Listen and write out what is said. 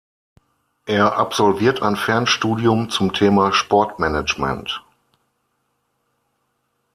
Er absolviert ein Fernstudium zum Thema Sport-Management.